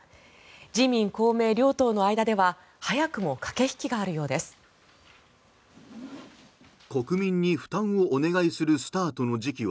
自民・公明両党の間では早くも駆け引きがあるようです。